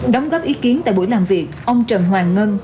đóng góp ý kiến tại buổi làm việc ông trần hoàng ngân